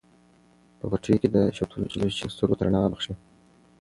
په پټیو کې د شوتلو شین رنګ سترګو ته رڼا بښي.